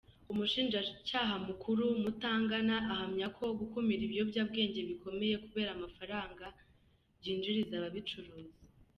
Umushinjacyaha mukuru, Mutangana, ahamya ko gukumira ibiyobyabwenge bikomeye kubera amafaranga byinjiriza ababicuruza.